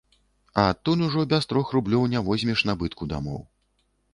А адтуль ужо без трох рублёў не возьмеш набытку дамоў.